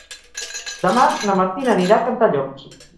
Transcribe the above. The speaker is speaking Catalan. Demà na Martina anirà a Cantallops.